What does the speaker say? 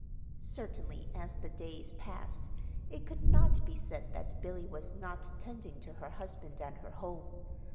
Certainly, as the days passed, it could not be said that Billy was not tending to her husband and her home.